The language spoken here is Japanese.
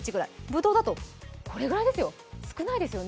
ぶどうだと、これぐらいですよ